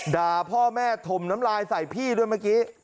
ด่าพ่อแม่ถมน้ำลายใส่พี่ด้วยเมื่อกี้